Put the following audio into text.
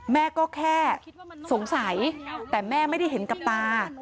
แม่ก็แค่สงสัยแต่แม่ไม่ได้เห็นกับตา